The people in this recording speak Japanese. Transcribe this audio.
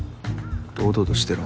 堂々としてろ。